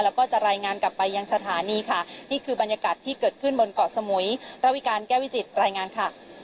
แล้วก็จะรายงานกลับไปยังสถานีค่ะนี่คือบรรยากาศที่เกิดขึ้นบนเกาะสมุยระวิการแก้วิจิตรายงานค่ะ